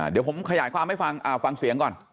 เดี๋ยวผมขยายความให้ฟังฟังเสียงก่อน